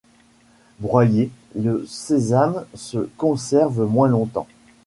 Broyé, le sésame se conserve moins longtemps.